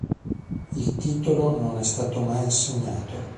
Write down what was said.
Il titolo non è stato mai assegnato.